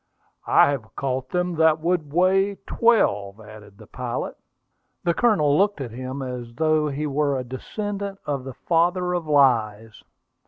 "I have caught them that would weigh twelve," added the pilot. The Colonel looked at him as though he were a descendant of the father of lies.